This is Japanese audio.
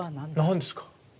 何ですか？